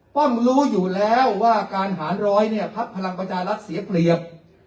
ป้อมรู้อยู่แล้วว่าการหารร้อยเนี่ยพักพลังประชารัฐเสียเปรียบ